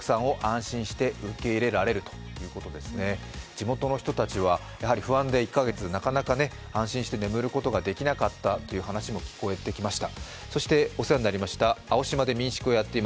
地元の人たちは不安で１か月なかなか眠ることができなかったという話も聞こえてきました。